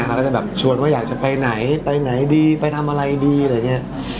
เขาก็จะแบบชวนว่าอยากจะไปไหนไปไหนดีไปทำอะไรดีอะไรอย่างนี้